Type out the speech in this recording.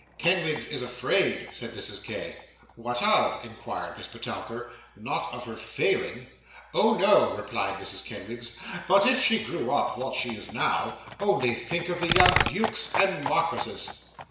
'Kenwigs is afraid,' said Mrs. K. 'What of?' inquired Miss Petowker, 'not of her failing?' 'Oh no,' replied Mrs. Kenwigs, 'but if she grew up what she is now, only think of the young dukes and marquises.